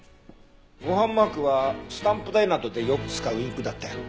ご飯マークはスタンプ台などでよく使うインクだったよ。